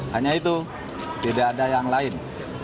hanya itu tidak ada yang lain